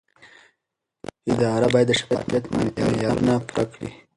اداره باید د شفافیت معیارونه پوره کړي.